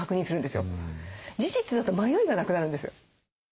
事実だと迷いがなくなるんです。